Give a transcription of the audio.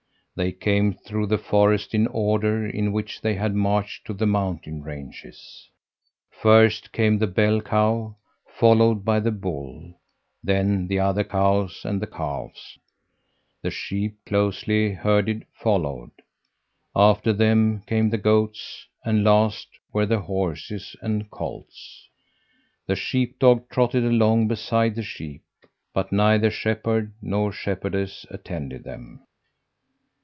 They came through the forest in the order in which they had marched to the mountain ranches. First came the bell cow followed by the bull, then the other cows and the calves. The sheep, closely herded, followed. After them came the goats, and last were the horses and colts. The sheep dog trotted along beside the sheep; but neither shepherd nor shepherdess attended them.